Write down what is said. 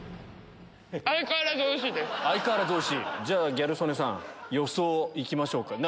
じゃあギャル曽根さん予想行きましょう。